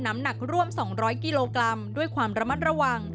น้ำหนักร่วม๒๐๐กิโลกรัมด้วยความระมัดระวัง